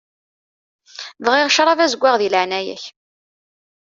Bɣiɣ ccṛab azeggaɣ di leɛnaya-k.